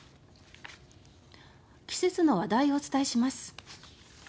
季節の話題をお伝えします。